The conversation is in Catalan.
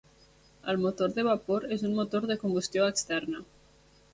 El motor de vapor és un motor de combustió externa.